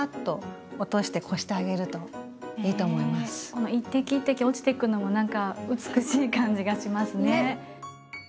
この一滴一滴落ちていくのも何か美しい感じがしますね。